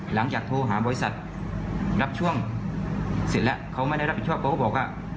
หลังจากโทรหาบริษัทรับช่วงเสร็จแล้วเขาไม่ได้รับผิดชอบเขาก็บอกว่า